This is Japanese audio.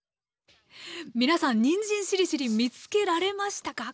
皆さんにんじんしりしりー見つけられましたか？